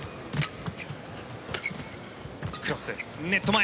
クロス、ネット前。